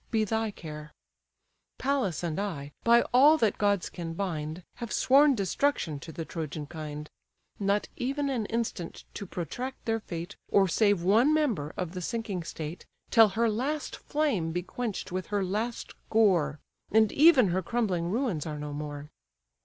be thy care; Pallas and I, by all that gods can bind, Have sworn destruction to the Trojan kind; Not even an instant to protract their fate, Or save one member of the sinking state; Till her last flame be quench'd with her last gore, And even her crumbling ruins are no more."